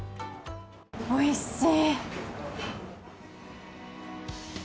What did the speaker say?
おいしい。